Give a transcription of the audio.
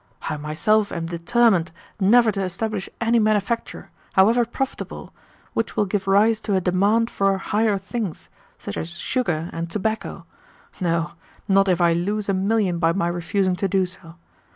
I myself am determined never to establish any manufacture, however profitable, which will give rise to a demand for 'higher things,' such as sugar and tobacco no not if I lose a million by my refusing to do so.